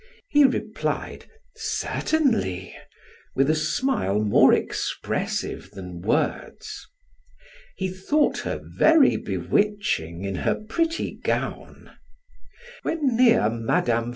He replied: "Certainly," with a smile more expressive than words. He thought her very bewitching in her pretty gown. When near Mme.